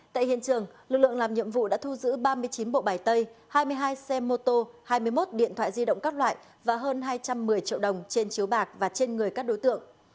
tại hiện trường lực lượng làm nhiệm vụ đã thu giữ ba mươi chín bộ bài tay hai mươi hai xe mô tô hai mươi một điện thoại di động các loại và hơn hai trăm một mươi triệu đồng trên chiếu bạc và trên người các đối tượng